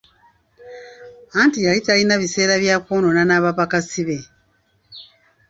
Anti yali talina biseera bya kwonoona na bapakasi be.